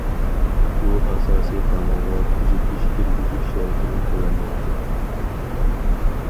ئۇ ئاساسىي قانۇنغا تۈزىتىش كىرگۈزۈش شەرتىنى تۆۋەنلەتتى.